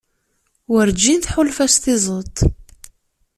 Werǧin tḥulfa s tiẓeṭ.